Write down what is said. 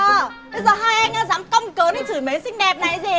bây giờ hai anh nó dám công cớ nó chửi mến xinh đẹp này gì